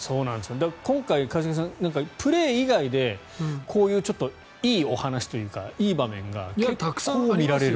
今回、プレー以外でこういういいお話というかいい場面が結構見られる。